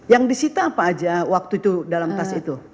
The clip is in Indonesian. yang disita apa aja waktu itu dalam tas itu